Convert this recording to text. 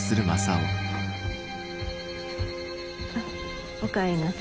あっお帰りなさい。